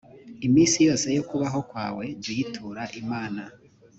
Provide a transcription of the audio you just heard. iminsi yose yo kubaho kwawe jyuyitura imana.